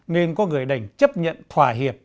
nên có người đành chấp nhận thỏa hiệp